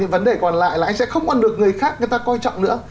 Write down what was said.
vấn đề còn lại là anh sẽ không còn được người khác người ta coi trọng nữa